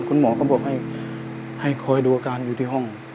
คุณหมอก็บอกให้คอยดูอาการอยู่ที่ห้อง